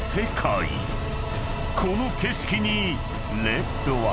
［この景色にレッドは］